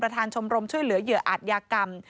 ประธานชมรมช่วยเหลือเหยื่ออัตยากรรม